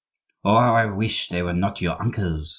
"Oh! how I wish they were not your uncles!"